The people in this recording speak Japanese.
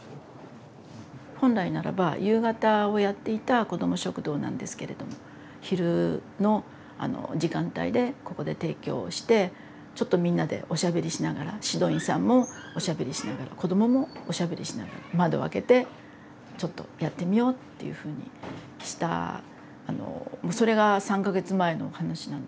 本来ならば夕方をやっていた子ども食堂なんですけれど昼の時間帯でここで提供してちょっとみんなでおしゃべりしながら指導員さんもおしゃべりしながら子どももおしゃべりしながら窓開けてちょっとやってみようっていうふうにしたあのそれが３か月前の話なんです。